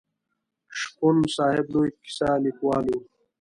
شپون صاحب لوی کیسه لیکوال و.